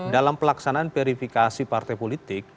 dalam pelaksanaan verifikasi partai politik